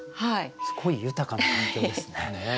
すごい豊かな環境ですね。